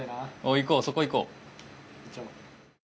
行こう、そこ行こう。